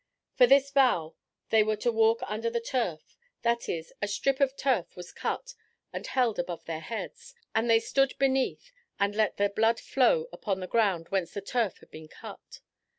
For this vow they were to walk under the turf; that is, a strip of turf was cut and held above their heads, and they stood beneath and let their blood flow upon the ground whence the turf had been cut.